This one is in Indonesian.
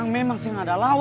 gue gak ngancam